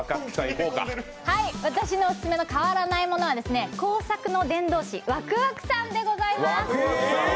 私のオススメの「変わらないもの」は工作の伝道師わくわくさんでございます。